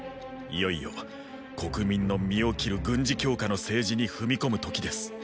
いよいよ国民の身を切る軍事強化の政治に踏み込む時です。